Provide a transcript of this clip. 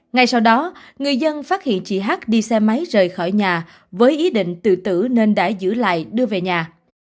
ngay sau đó người dân phát hiện chị hát đi xe máy rời khỏi nhà với ý định tự tử nên đã giữ lại đưa về nhà